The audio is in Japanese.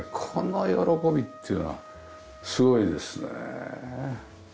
この喜びっていうのはすごいですね。